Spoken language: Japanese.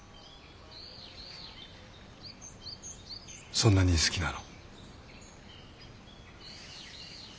そんなに好きなの？